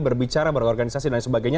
berbicara berorganisasi dan sebagainya